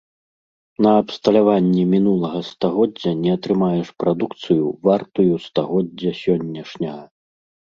На абсталяванні мінулага стагоддзя не атрымаеш прадукцыю, вартую стагоддзя сённяшняга.